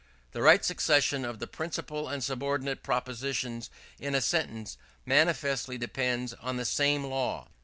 The right succession of the principal and subordinate propositions in a sentence manifestly depends on the same law.